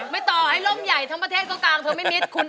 ไม่ต่อให้ลมใหญ่ทั้งประเทศก็กลางเธอไม่มิด